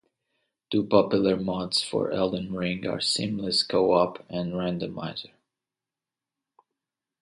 Two popular mods for Elden Ring are "Seamless Co-op" and "Randomizer".